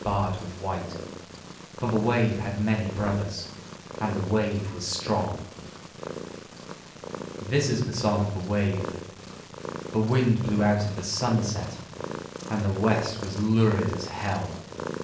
barred with white, For the wave had many brothers, And the wave was strong ! V This is the song of the wave ! The wind blew out of the sunset R\i ^ And the west was lurid as Hell.